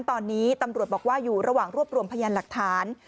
ตอนนี้ตำรวจบอกว่าอยู่ระหว่างรวบรวมพยานหลักฐาน